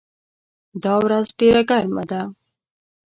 دا ورځ ډېره ګرمه ده.